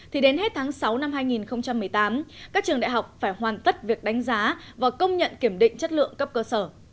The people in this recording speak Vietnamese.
thì đến hết tháng sáu năm hai nghìn một mươi tám các trường đại học phải hoàn tất việc đánh giá và công nhận kiểm định chất lượng cấp cơ sở